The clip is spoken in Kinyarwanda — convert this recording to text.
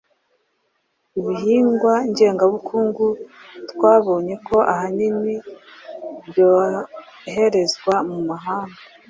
Ibihingwa ngengabukundu twabonye ko ahanini byoherezwa mu mahanga